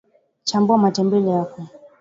chambua matembele yako